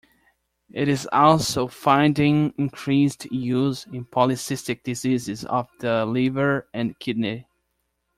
It is also finding increased use in polycystic diseases of the liver and kidney.